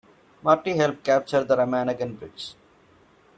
Marty helped capture the Remagen Bridge.